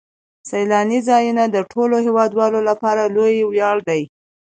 سیلاني ځایونه د ټولو هیوادوالو لپاره لوی ویاړ دی.